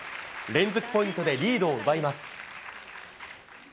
連続ポイントでリードを奪います。